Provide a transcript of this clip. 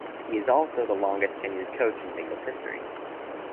He is also the longest tenured coach in Bengals history.